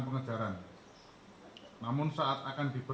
pergerakan ini ada pemicu